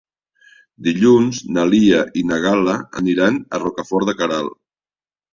Dilluns na Lia i na Gal·la aniran a Rocafort de Queralt.